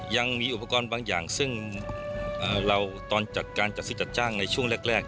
ยังมีอุปกรณ์บางอย่างซึ่งเราตอนจัดการจัดซื้อจัดจ้างในช่วงแรก